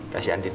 kasih andin ya